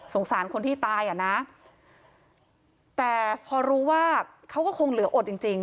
สารคนที่ตายอ่ะนะแต่พอรู้ว่าเขาก็คงเหลืออดจริงจริง